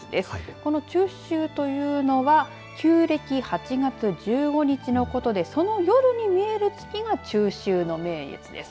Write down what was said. この中秋というのは旧暦８月１５日のことでその夜に見える月が中秋の名月です。